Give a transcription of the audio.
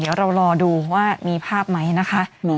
เดี๋ยวเรารอดูว่ามีภาพไหมนะคะ